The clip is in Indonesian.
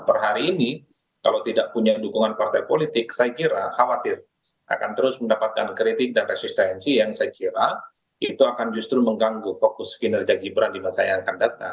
per hari ini kalau tidak punya dukungan partai politik saya kira khawatir akan terus mendapatkan kritik dan resistensi yang saya kira itu akan justru mengganggu fokus kinerja gibran di masa yang akan datang